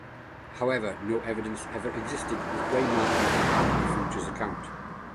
However, no evidence ever existed that Reumayr even had a futures account.